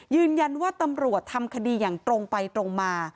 ยืนยันว่าตำรวจทำคดีอย่างตรงไปตรงมา